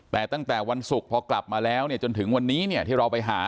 แต่ตั้งแต่วันศุกร์พอกลับมาแล้วเนี่ยจนถึงวันนี้ที่เราไปหา